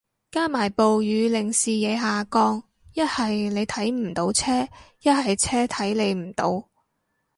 加埋暴雨令視野下降，一係你睇唔到車，一係車睇你唔到